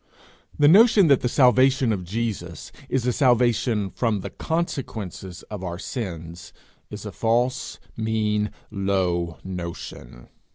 The notion that the salvation of Jesus is a salvation from the consequences of our sins, is a false, mean, low notion.